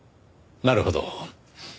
なるほど。